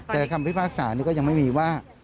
แต่คำพิพากษานี้ก็ยังไม่มีว่า